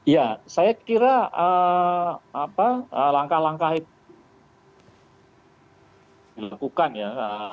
ya saya kira langkah langkah itu dilakukan ya